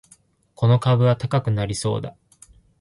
この株は高くなりそうだ